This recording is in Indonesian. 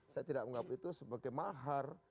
saya tidak menganggap itu sebagai mahar